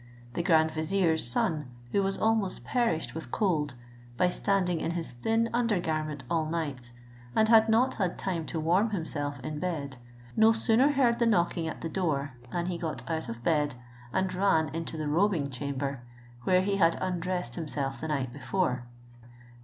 The grand vizier's son, who was almost perished with cold, by standing in his thin under garment all night, and had not had time to warm himself in bed, no sooner heard the knocking at the door than he got out of bed, and ran into the robing chamber, where he had undressed himself the night before.